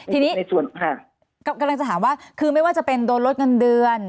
ทีนี้ในส่วนกำลังจะถามว่าคือไม่ว่าจะเป็นโดนลดเงินเดือน